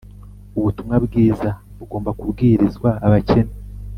ubutumwa bwiza bugomba kubwirizwa abakene